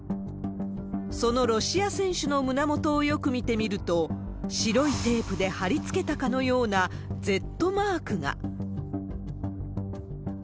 そのロシア選手の胸元をよく見てみると、白いテープで貼り付けたかのようなＺマークが。